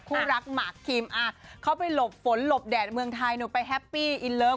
คู่รักหมากคิมเขาไปหลบฝนหลบแดดเมืองไทยหนูไปแฮปปี้อินเลิฟ